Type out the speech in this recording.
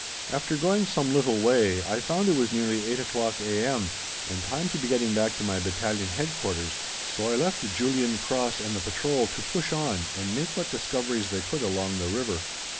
After going some little way I found it was nearly 8 o'clock a.m., and time to be getting back to my Battalion Headquarters, so I left Julian, Cross, and the patrol to push on and make what discoveries they could along the river.